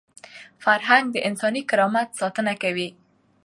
فرهنګ د انساني کرامت ساتنه کوي.